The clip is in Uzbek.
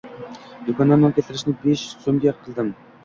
Doʻkondan non keltirishni besh yuz soʻmga qildim